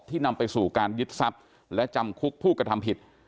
นำไปสู่การยึดทรัพย์และจำคุกผู้กระทำผิด